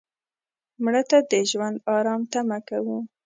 مړه ته د ژوند آرام تمه کوو